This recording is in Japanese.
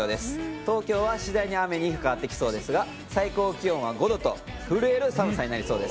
東京は、しだいに雨に変わってきそうですが最高気温は５度と震える寒さになりそうです。